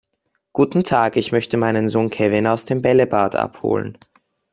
Guten Tag, ich möchte meinen Sohn Kevin aus dem Bällebad abholen.